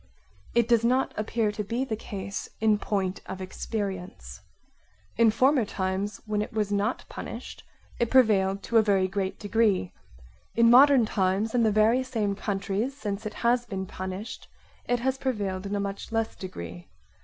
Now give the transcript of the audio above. It does not appear to be the case in point of experience. In former times, when it was not punished, it prevailed to a very great degree; in modern times in the very same countries since it has been punished it has prevailed in a much less degree.